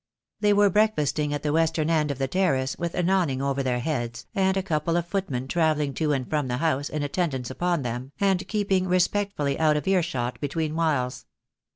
They were breakfasting at the western end of the terrace, with an awning over their heads, and a couple of footmen travelling to and from the house in attendance upon them, and keeping respectfully out of earshot be tween whiles.